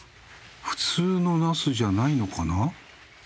普通のナスじゃないのかな？